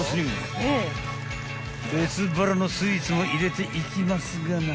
［別腹のスイーツも入れていきますがな］